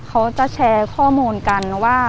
เขาจะแชร์ข้อมูลกันว่า